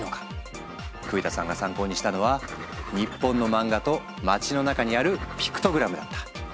栗田さんが参考にしたのは日本の漫画と街の中にあるピクトグラムだった。